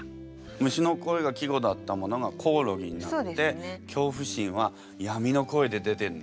「虫の声」が季語だったものが「こおろぎ」になって恐怖心は「闇の声」で出てんだ。